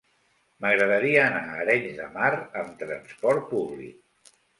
M'agradaria anar a Arenys de Mar amb trasport públic.